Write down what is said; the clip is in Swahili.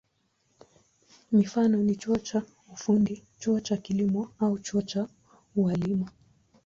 Mifano ni chuo cha ufundi, chuo cha kilimo au chuo cha ualimu.